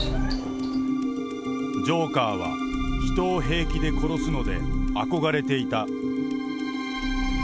ジョーカーは人を平気で殺すので憧れていた。